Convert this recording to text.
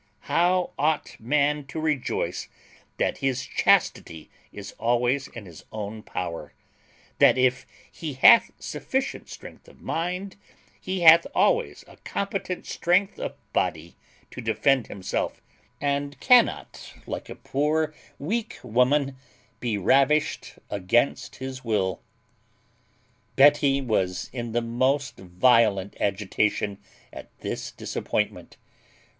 How ought man to rejoice that his chastity is always in his own power; that, if he hath sufficient strength of mind, he hath always a competent strength of body to defend himself, and cannot, like a poor weak woman, be ravished against his will! Betty was in the most violent agitation at this disappointment.